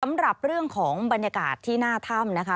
สำหรับเรื่องของบรรยากาศที่หน้าถ้ำนะคะ